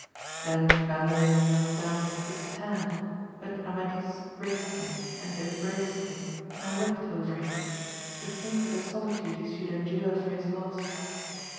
ThenGandalinknelt down to kiss his hand; but Amadis raised him, and embraced him, and wept over him, to think of the solitude he should endure for his loss.